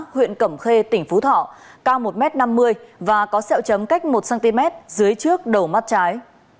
huyện cẩm khê tỉnh phú thọ cao một m năm mươi và có sẹo chấm cách một cm dưới trước đầu mắt trái